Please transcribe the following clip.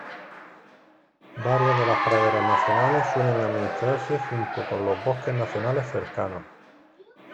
Varias de las praderas nacionales suelen administrarse junto con los bosques nacionales cercanos.